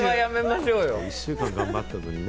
１週間、頑張ったのにね。